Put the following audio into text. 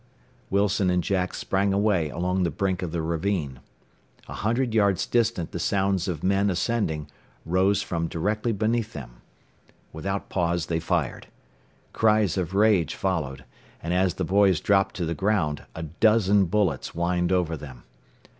Wilson and Jack sprang away along the brink of the ravine. A hundred yards distant the sounds of men ascending rose from directly beneath them. Without pause they fired. Cries of rage followed, and as the boys dropped to the ground a dozen bullets whined over them.